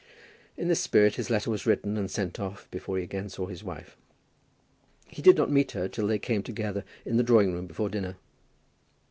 In this spirit his letter was written and sent off before he again saw his wife. He did not meet her till they came together in the drawing room before dinner.